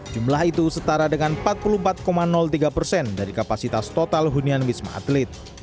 jumlah itu setara dengan empat puluh empat tiga persen dari kapasitas total hunian wisma atlet